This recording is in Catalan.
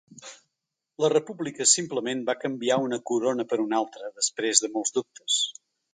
La república simplement va canviar una corona per una altra, després de molts dubtes.